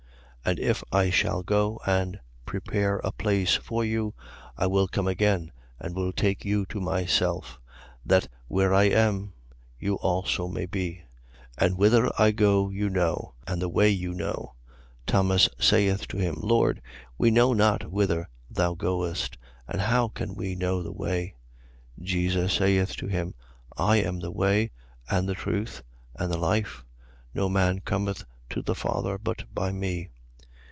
14:3. And if I shall go and prepare a place for you, I will come again and will take you to myself: that where I am, you also may be. 14:4. And whither I go you know: and the way you know. 14:5. Thomas saith to him: Lord, we know not whither thou goest. And how can we know the way? 14:6. Jesus saith to him: I am the way, and the truth, and the life. No man cometh to the Father, but by me.